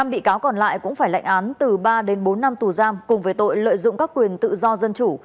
năm bị cáo còn lại cũng phải lệnh án từ ba đến bốn năm tù giam cùng với tội lợi dụng các quyền tự do dân chủ